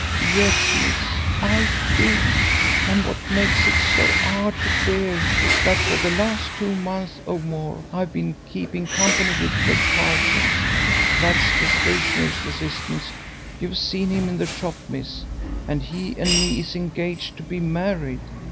"Yes, miss, I do, and what makes it so 'ard to bear is that for the last two months or more I've been keeping company with Fred Parsons that's the stationer's assistant; you've seen him in the shop, miss and he and me is engaged to be married.